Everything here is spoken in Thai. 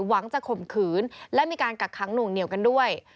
หวังจะข่มขืนและมีการกักขังหน่วงเหนียวกันด้วย